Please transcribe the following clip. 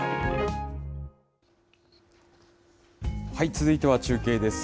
続いては中継です。